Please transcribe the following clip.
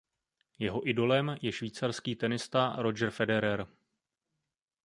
Jeho idolem je švýcarský tenista Roger Federer.